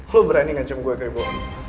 lu berani ngancem gua keribo